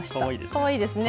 かわいいですね。